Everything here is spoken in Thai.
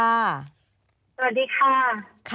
สวัสดีค่ะ